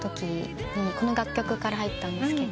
この楽曲から入ったんですけど「何だ？